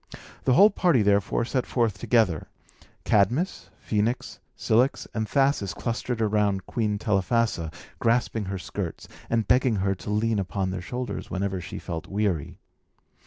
The whole party, therefore, set forth together; Cadmus, Phœnix, Cilix and Thasus clustered round Queen Telephassa, grasping her skirts, and begging her to lean upon their shoulders whenever she felt weary.